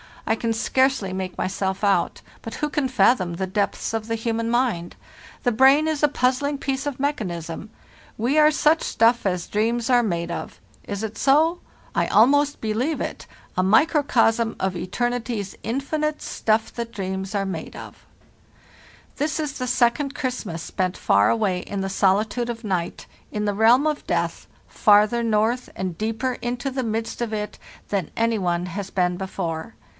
I can scarcely make myself out, but who can fathom the depths of the human mind. The brain is a puzzling piece of mechanism: ' We are such stuff as dreams are made of. Is it so? I almost a microcosm of eternity's infinite ' stuff that believe it dreams are made of.' "This is the second Christmas spent far away in the solitude of night, in the realm of death, farther north and deeper into the midst of it than any one has been before.